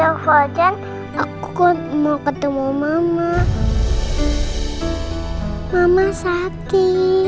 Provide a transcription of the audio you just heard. aku gak bisa ketemu mama lagi